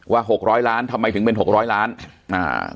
หกร้อยล้านทำไมถึงเป็นหกร้อยล้านอ่า